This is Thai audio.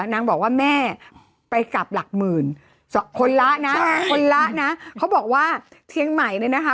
นางบอกว่าแม่ไปกลับหลักหมื่นคนละนะคนละนะเขาบอกว่าเชียงใหม่เนี่ยนะคะ